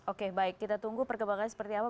oke baik kita tunggu perkembangannya seperti apa